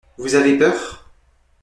Vous avez peur ?